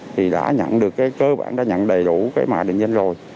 thì đã nhận được cái cơ bản đã nhận đầy đủ cái mã định danh rồi